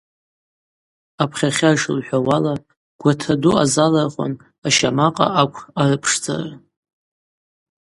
Апхьахьа йшылхӏвауала, гватра ду азалырхуан ащамакъа акв арыпшдзара.